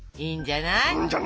いいんじゃない。